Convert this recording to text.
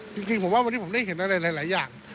จริงผมว่าวันนี้ผมได้เห็นอะไรหลายอย่าง